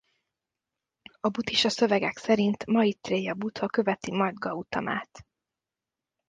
A buddhista szövegek szerint Maitréja Buddha követi majd Gautamát.